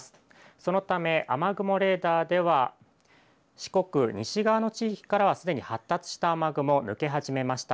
そのため雨雲レーダーでは四国、西側の地域からはすでに発達した雨雲が抜け始めました。